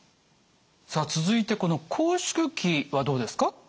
さあ続いてこの拘縮期はどうですか？